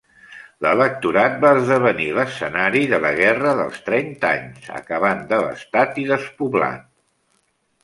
L'electorat va esdevenir l'escenari de la Guerra dels Trenta Anys, acabant devastat i despoblat.